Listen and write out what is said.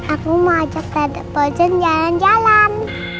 aku mau ajak tante frozen jalan jalan